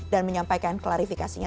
dan menyampaikan klarifikasinya